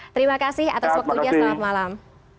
terima kasih atas waktunya selamat malam